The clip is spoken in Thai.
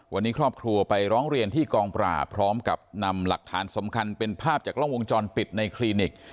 วันนี้ครอบครัวไปร้องเรียนที่กองปราบพร้อมกับนำหลักฐานสำคัญเป็นภาพจากกล้องวงจรปิดในคลินิก